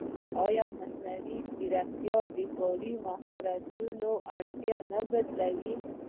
ایا مصنوعي ځیرکتیا د کاري مهارتونو اړتیا نه بدله کوي؟